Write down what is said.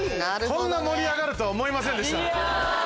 こんな盛り上がるとは思いませんでした。